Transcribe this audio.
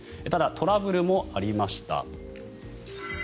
ただトラブルもありました。